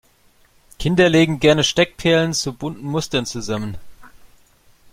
Kinder legen gerne Steckperlen zu bunten Mustern zusammen.